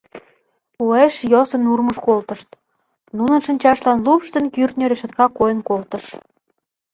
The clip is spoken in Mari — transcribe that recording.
Уэш йӧсын урмыж колтышт, нунын шинчаштлан лупш ден кӱртньӧ решотка койын колтыш.